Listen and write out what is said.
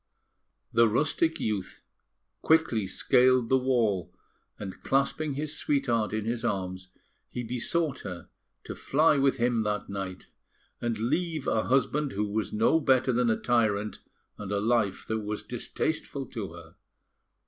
The rustic youth quickly scaled the wall; and, clasping his sweetheart in his arms, he besought her to fly with him that night, and leave a husband who was no better than a tyrant, and a life that was distasteful to her.